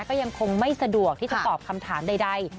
ก็ยังคงไม่สะดวกที่จะตอบคำถามใด